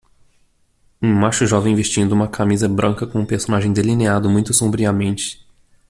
Um macho jovem vestindo uma camisa branca com um personagem delineado muito sombriamente.